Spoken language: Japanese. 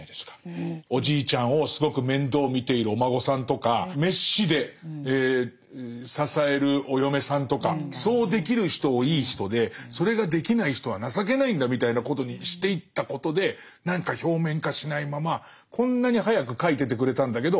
おじいちゃんをすごく面倒見ているお孫さんとか滅私で支えるお嫁さんとかそうできる人をいい人でそれができない人は情けないんだみたいなことにしていったことで何か表面化しないままこんなに早く書いててくれたんだけど。